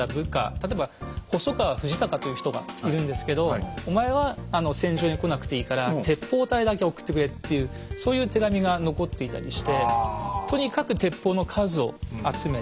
例えば細川藤孝という人がいるんですけどお前は戦場に来なくていいから鉄砲隊だけ送ってくれっていうそういう手紙が残っていたりして。